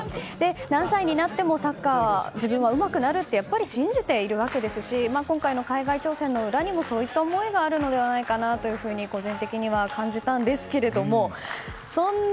何歳になってもサッカーを自分はうまくなると信じているわけですし今回の海外挑戦の裏にもそういった思いがあるのではないかなと個人的には感じました。